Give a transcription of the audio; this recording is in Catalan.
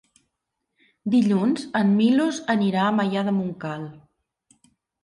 Dilluns en Milos anirà a Maià de Montcal.